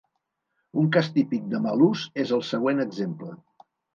Un cas típic de mal ús és el següent exemple.